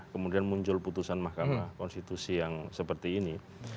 kemudian muncul putusan mahkamah konstitusi yang seperti ini